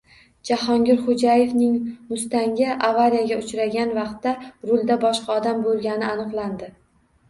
Jahongir Xo‘jayevning Mustang’i avariyaga uchragan vaqtda rulda boshqa odam bo‘lgani aniqlandi